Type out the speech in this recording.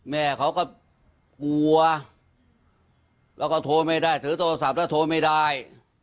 แม่เขาก็กลัวแล้วก็โทรไม่ได้ถือโทรศัพท์แล้วโทรไม่ได้